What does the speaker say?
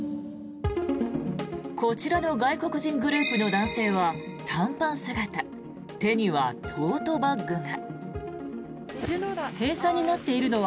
こちらの外国人グループの男性は短パン姿手にはトートバッグが。